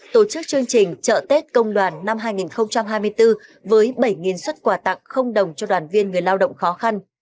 tổ chức chương trình chợ tết công đoàn năm hai nghìn hai mươi bốn với bảy xuất quà tặng không đồng cho đoàn viên người lao động khó khăn